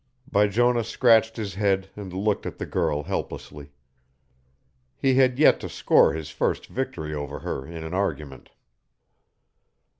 Bijonah scratched his head and looked at the girl helplessly. He had yet to score his first victory over her in an argument.